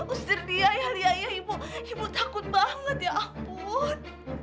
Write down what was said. usir dia ya ibu ibu takut banget ya ampun